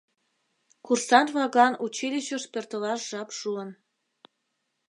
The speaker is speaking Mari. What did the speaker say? Курсант-влаклан училищыш пӧртылаш жап шуын.